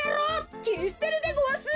きりすてるでごわす。